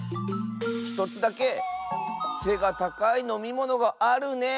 １つだけせがたかいのみものがあるね。